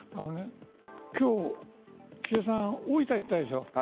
今日、岸田さん大分に行ったでしょ。